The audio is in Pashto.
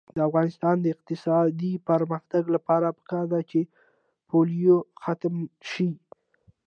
د افغانستان د اقتصادي پرمختګ لپاره پکار ده چې پولیو ختمه شي.